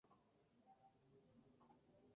La sede del condado y mayor ciudad es San Andreas.